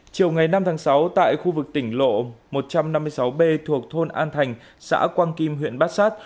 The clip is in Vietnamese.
chiều ngày năm tháng sáu tại khu vực tỉnh lộ một trăm năm mươi sáu b thuộc thôn an thành xã quang kim huyện bát sát